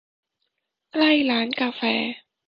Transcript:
ใกล้ร้านกาแฟ